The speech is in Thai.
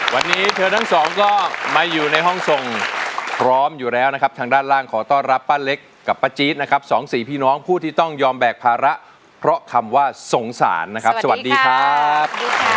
วันนี้เธอทั้งสองก็มาอยู่ในห้องทรงพร้อมอยู่แล้วนะครับทางด้านล่างขอต้อนรับป้าเล็กกับป้าจี๊ดนะครับสองสี่พี่น้องผู้ที่ต้องยอมแบกภาระเพราะคำว่าสงสารนะครับสวัสดีครับ